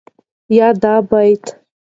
يا دا بيت